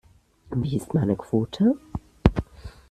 Wie ist meine Quote?